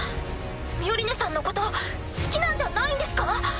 ミオリネさんのこと好きなんじゃないんですか？